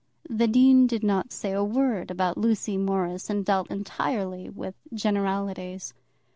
The dean did not say a word about Lucy Morris, and dealt entirely with generalities.